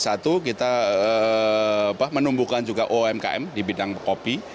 satu kita menumbuhkan juga umkm di bidang kopi